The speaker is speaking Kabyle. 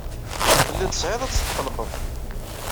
Telliḍ tesɛiḍ ad tetqellqeḍ.